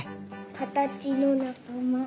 かたちのなかま。